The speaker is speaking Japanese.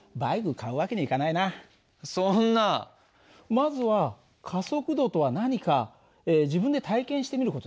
まずは加速度とは何か自分で体験してみる事だね。